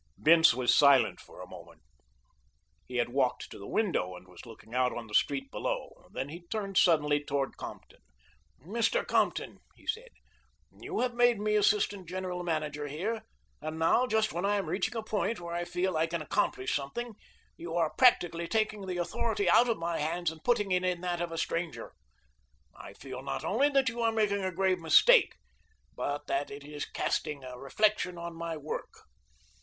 Bince was silent for a moment. He had walked to the window and was looking out on the street below, then he turned suddenly toward Compton. "Mr. Compton," he said, "you have made me assistant general manager here and now, just when I am reaching a point where I feel I can accomplish something, you are practically taking the authority out of my hands and putting it in that of a stranger. I feel not only that you are making a grave mistake, but that it is casting a reflection on my work.